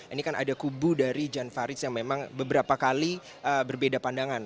ini kan ada kubu dari jan farid yang memang beberapa kali berbeda pandangan